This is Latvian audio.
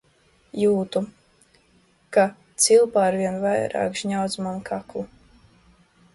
"Jūtu, ka "cilpa" arvien vairāk žņaudz manu kaklu."